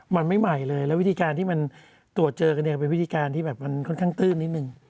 มันไม่ใหม่เลยแล้ววิธีการที่มันตรวจเจอกันเนี่ยเป็นวิธีการที่แบบมันค่อนข้างตื้นนิดนึง